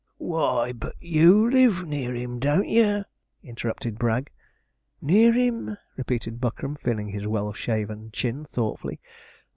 'Why, but you live near him, don't you?' interrupted Bragg. 'Near him,' repeated Buckram, feeling his well shaven chin thoughtfully.